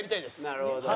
なるほど。